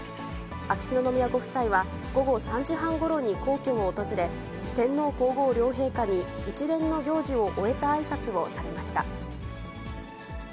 秋篠宮ご夫妻は午後３時半ごろに皇居を訪れ、天皇皇后両陛下に一連の行事を終えたあいさつをされました。